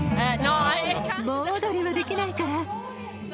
盆踊りはできないから。